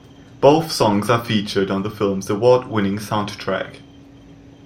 Both songs are featured on the film's award-winning soundtrack.